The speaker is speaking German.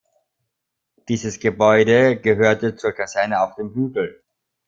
Dieses Gebäude gehörte zur Kaserne auf dem Hügel.